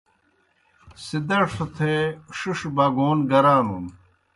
سِدَڇھوْ تھے ݜِݜ بگَون گرانُن۔